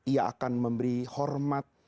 ia akan memberi hormat